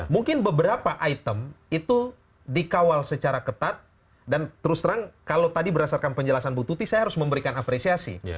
mungkin beberapa item itu dikawal secara ketat dan terus terang kalau tadi berdasarkan penjelasan bu tuti saya harus memberikan apresiasi